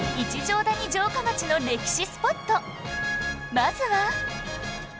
まずは